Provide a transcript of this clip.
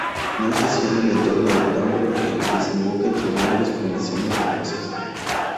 No es así en el entorno del Tambre que desemboca entre grandes formaciones rocosas.